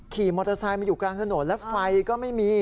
ขี่มอเตอร์ไซค์มาอยู่กลางถนนแล้วไฟก็ไม่มี